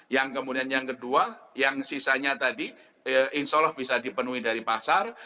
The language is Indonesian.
yang kemudian yang kedua yang sisanya tadi insya allah bisa dipenuhi dari pasar